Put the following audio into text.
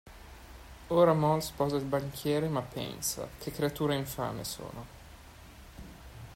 Ora Moll sposa il banchiere, ma pensa: "Che creatura infame sono!